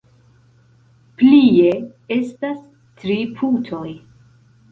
Plie, estas tri putoj.